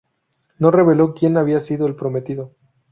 No reveló quien había sido el prometido.